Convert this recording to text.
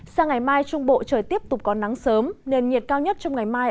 sang ngày mai trung bộ trời tiếp tục có nắng sớm nền nhiệt cao nhất trong ngày mai